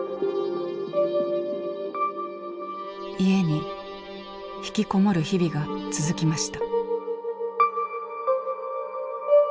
家に引きこもる日々が続きました。